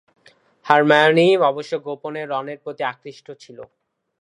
Hermione অবশ্য গোপনে রনের প্রতি আকৃষ্ট ছিল।